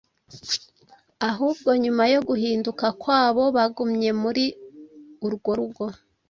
ahubwo nyuma yo guhinduka kwabo bagumye muri urwo rugo.